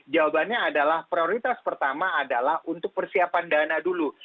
jawabannya adalah prioritas pertama adalah untuk persiapan dana dulu